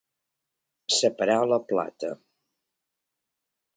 Separar la plata.